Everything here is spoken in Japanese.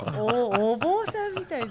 お坊さんみたい。